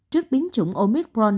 trước biến chủng omicron